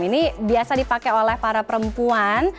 ini biasa dipakai oleh para perempuan